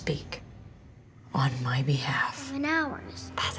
แกคงไม่ได้ข่าว